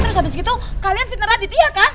terus abis itu kalian fitnah radit iya kan